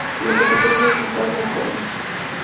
La capital municipal es La Coma.